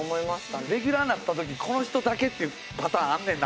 レギュラーなったときこの人だけっていうパターンあんねんな。